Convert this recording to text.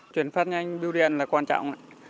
chuyển phát nhanh biêu điện là quan trọng